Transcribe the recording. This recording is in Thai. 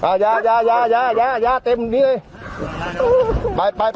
อันนี้คื